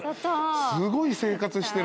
すごい生活してる。